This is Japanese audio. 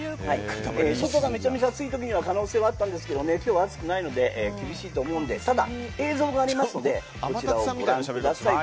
外がめちゃめちゃ暑い時には可能性はあったんですが今日は暑くないので厳しいと思うんですが映像がありますのでこちらをご覧ください。